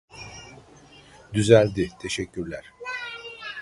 Düzeldi teşekkürler